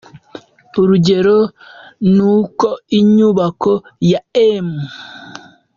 Urugero ni uko inyubako ya M.